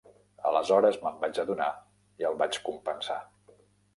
Aleshores me'n vaig adonar i el vaig compensar.